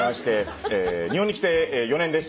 日本に来て４年です。